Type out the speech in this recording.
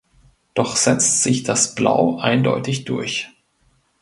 Doch setzt sich das Blau eindeutig durch.